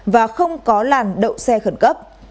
và không có làn đậu xe khẩn cấp